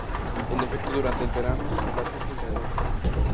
En efecto durante el verano su población se incrementa.